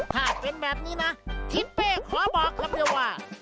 ถ้าเป็นแบบนี้นะทิศเป้ขอบอกคำเดียวว่า